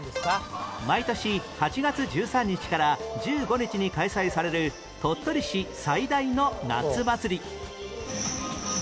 毎年８月１３日から１５日に開催される鳥取市最大の夏祭り